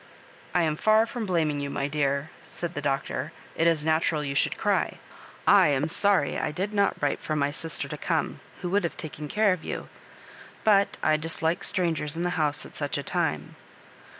" I am far from blaming you, my dear," said the Doctor ;" it is natural you should cry. I am sorry I did not write for my sister to come, who would have taken care of you; but I dislike strangers in the house at such a time.